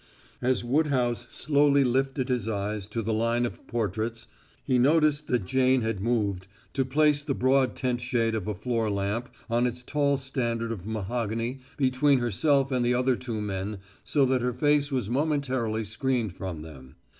As Woodhouse slowly lifted his eyes to the line of portraits, he noticed that Jane had moved to place the broad tent shade of a floor lamp on its tall standard of mahogany between herself and the other two men so that her face was momentarily screened from them.